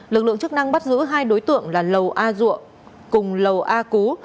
lực lượng chức năng bắt giữ hai đối tượng là lầu a dua cùng lầu a cú